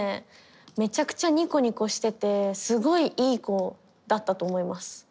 めちゃくちゃニコニコしててすごいいい子だったと思います。